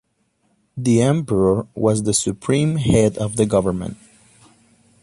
The emperor was the supreme head of government.